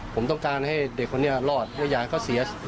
ผมต้องการให้เด็กเนี่ยรอดอย่าให้เขาเสีย